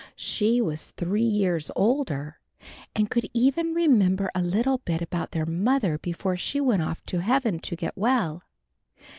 She was three years older, and could even remember a little bit about their mother before she went off to heaven to get well.